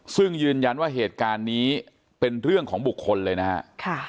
ซึ่งยืนยันว่าเหตุการณ์นี้เป็นเรื่องของบุคคลเลยนะครับ